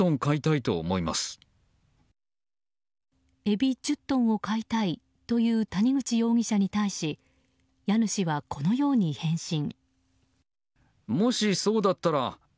エビ１０トンを買いたいという谷口容疑者に対し家主はこのように返信。